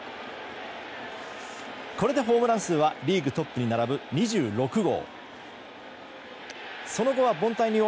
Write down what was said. これでホームラン数はリーグトップに並ぶ２６号。